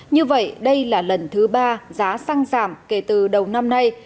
như vậy đây là lần thứ ba giá xăng giảm kể từ đầu năm nay